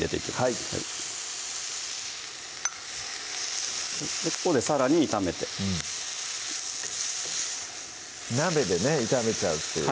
はいここでさらに炒めて鍋でね炒めちゃうっていう